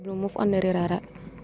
belum move on dari rara